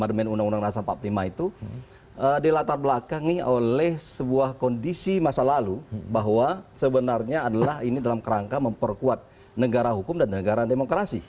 di tahun dua ribu lima itu dilatar belakangi oleh sebuah kondisi masa lalu bahwa sebenarnya adalah ini dalam kerangka memperkuat negara hukum dan negara demokrasi